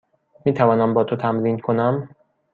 می توانم با تو تمرین کنم؟